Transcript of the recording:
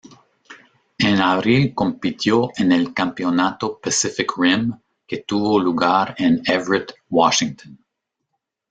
En abril compitió en el Campeonato Pacific Rim que tuvo lugar en Everett, Washington.